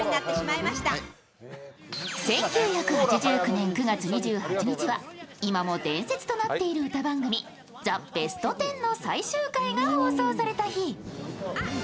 １９８９年９月２８日は、今も伝説となっている歌番組、「ザ・ベストテン」の最終回が放送された日。